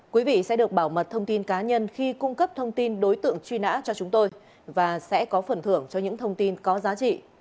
quý vị sẽ được bảo mật thông tin cá nhân khi cung cấp thông tin đối tượng truy nã cho chúng tôi và sẽ có phần thưởng cho những thông tin có giá trị